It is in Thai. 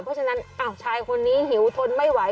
เพราะฉะนั้นชายคนนี้หิวทนไม่ไหว